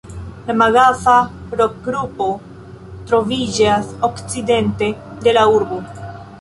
La Magaza-rokgrupo troviĝas okcidente de la urbo.